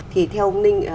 thì theo ông ninh